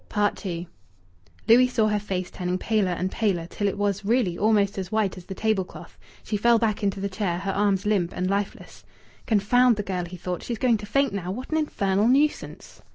II Louis saw her face turning paler and paler, till it was, really, almost as white as the table cloth. She fell back into the chair, her arms limp and lifeless. "Confound the girl!" he thought. "She's going to faint now! What an infernal nuisance!"